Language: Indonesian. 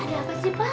ada apa sih pak